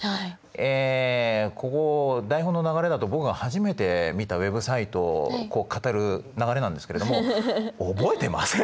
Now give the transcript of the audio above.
えここ台本の流れだと僕が初めて見たＷｅｂサイトを語る流れなんですけれども覚えてません！